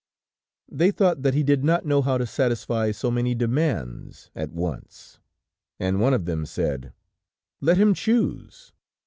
They thought that he did not know how to satisfy so many demands at once, and one of them said: "Let him choose."